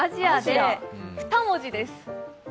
２文字です。